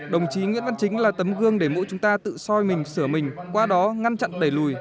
đồng chí nguyễn văn chính là tấm gương để mỗi chúng ta tự soi mình sửa mình qua đó ngăn chặn đẩy lùi